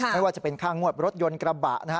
ไม่ว่าจะเป็นค่างวดรถยนต์กระบะนะฮะ